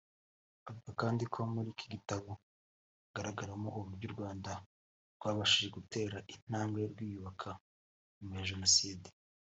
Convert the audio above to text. Avuga kandi ko muri iki gitabo hagaragaramo uburyo u Rwanda rwabashije gutera intambwe rwiyubaka nyuma ya Jenoside